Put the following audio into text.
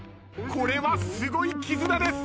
これはすごい絆です。